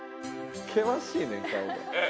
険しいねん顔が。